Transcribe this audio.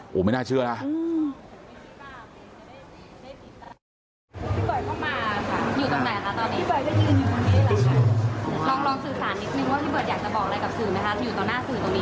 โอ้โหไม่น่าเชื่อนะ